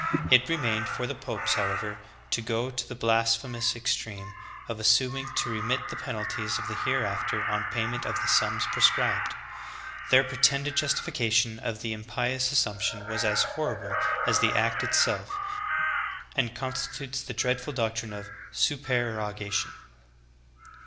It remained for the popes, however, to go to the blasphemous extreme of assuming to remit the penalties of the hereafter on pay ment of the sums prescribed. Their pretended justifica tion of the impious assumption was as horrible as the act it self, and constitutes the dreadful doctrine of supereroga tion.